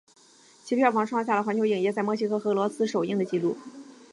其票房创下了环球影业在墨西哥和俄罗斯首映的纪录。